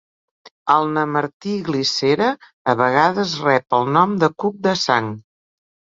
El nemertí "Glycera" a vegades rep el nom de cuc de sang.